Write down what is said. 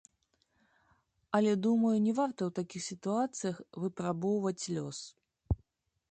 Але, думаю, не варта ў такіх сітуацыях выпрабоўваць лёс.